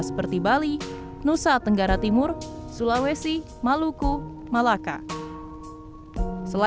such as bali nusa tenggara timur sulawesi maluku malacca